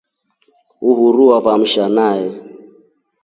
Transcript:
Uhuru avamsha nai.